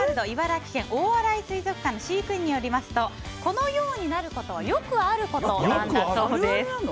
茨城県大洗水族館の飼育員によりますとこのようになることはよくあることなんだそうです。